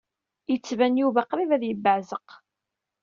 Yettban Yuba qṛib ad yebbeɛzeq.